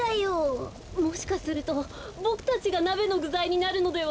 もしかするとボクたちがなべのぐざいになるのでは。